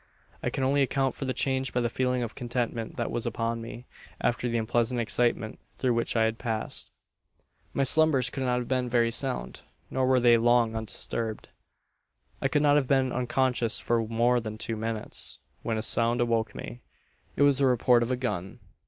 I can only account for the change by the feeling of contentment that was upon me after the unpleasant excitement through which I had passed. "My slumbers could not have been very sound; nor were they long undisturbed. "I could not have been unconscious for more than two minutes, when a sound awoke me. It was the report of a gun.